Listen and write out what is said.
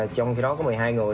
trong khi đó có một mươi hai người